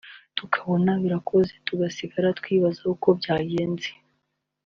tukabona birakozwe tugasigara twibaza uko byagenze